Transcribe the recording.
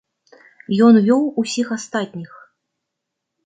Ён вёў усіх астатніх.